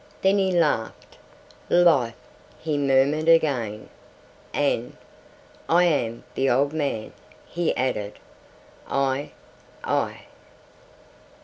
Then he laughed. "Life," he murmured again; and "I am the old man," he added, "I ... I...."